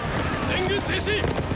全軍停止！！